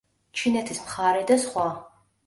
ჩინეთის მხარე და სხვა.